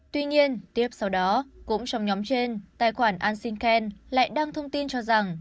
tuy nhiên tiếp sau đó cũng trong nhóm trên tài khoản anxin ken lại đăng thông tin cho rằng